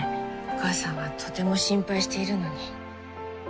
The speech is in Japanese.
お母さんはとても心配しているのに。